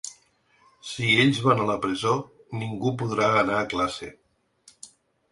Si ells van a la presó ningú podrà anar a classe.